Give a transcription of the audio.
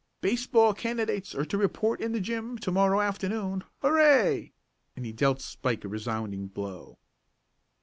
"Baseball candidates are to report in the gym. to morrow afternoon. Hurray!" and he dealt Spike a resounding blow.